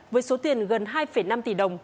với số tiền gần hai năm tỷ đồng